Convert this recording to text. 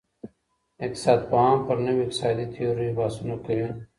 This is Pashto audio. اقتصاد پوهان پر نویو اقتصادي تیوریو بحثونه کوي.